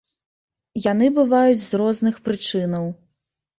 Яны бываюць з розных прычынаў.